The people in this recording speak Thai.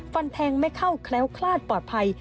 ฟันแทงไม่เข้าแคล้วคลาดปลอดภัย